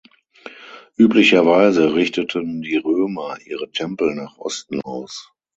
Üblicherweise richteten die Römer ihre Tempel nach Osten aus.